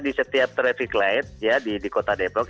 di setiap traffic light di kota depok